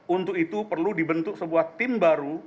untuk itu perlu dibentuk sebuah tim baru